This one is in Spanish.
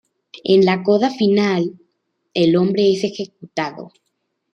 En la coda final, el hombre es ejecutado.